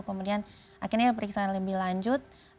kemudian akhirnya periksaan lebih lanjut